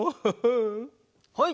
はい！